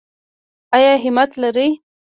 ایا همت لرئ؟